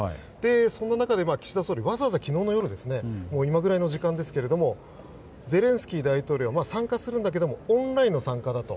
そんな中で岸田総理はわざわざ昨日の今ぐらいの時間ですがゼレンスキー大統領は参加するんだけどもオンラインの参加だと。